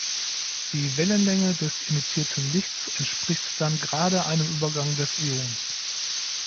Die Wellenlänge des emittierten Lichts entspricht dann gerade einem Übergang des Ions.